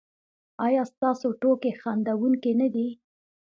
ایا ستاسو ټوکې خندونکې نه دي؟